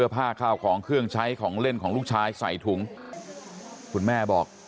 เป็นลูกบ่อยครับ